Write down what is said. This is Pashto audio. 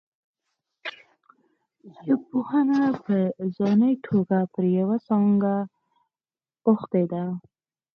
وژژبپوهنه په ځاني توګه پر یوه څانګه اوښتې ده